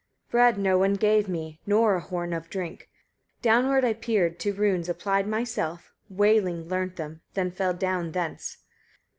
141. Bread no one gave me, nor a horn of drink, downward I peered, to runes applied myself, wailing learnt them, then fell down thence.